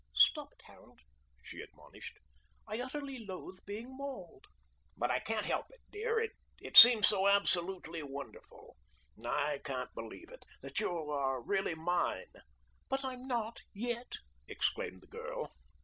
"Stop it, Harold," she admonished. "I utterly loathe being mauled." "But I can't help it, dear. It seems so absolutely wonderful! I can't believe it that you are really mine." "But I'm not yet!" exclaimed the girl.